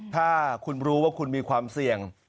ถ้าคุณรู้ว่าคุณมีความเสี่ยง